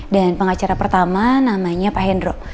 dan pengacara pertama namanya pak hendro